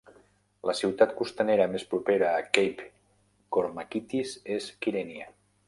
La ciutat costanera més propera a Cape Kormakitis és Kyrenia.